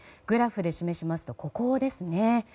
グラフで示しますとここですね。